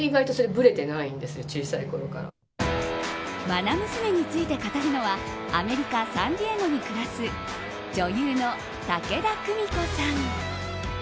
愛娘について語るのはアメリカ・サンディエゴに暮らす女優の武田久美子さん。